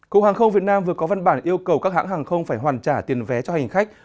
cục hàng không việt nam vừa có văn bản yêu cầu các hãng hàng không phải hoàn trả tiền vé cho hành khách